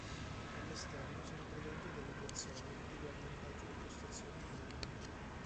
All'esterno sono presenti delle piazzole utili al montaggio di postazioni itineranti.